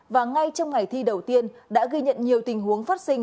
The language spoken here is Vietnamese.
và ngay trong ngày thi đầu tiên đã ghi nhận nhiều tình huống phát sinh